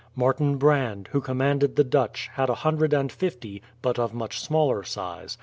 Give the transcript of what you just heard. Martin Brand, who commanded the Dutch, had a hundred and fifty, but of much smaller size.